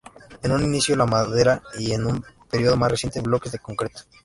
En un inicio la madera y en un período más reciente bloques de concreto.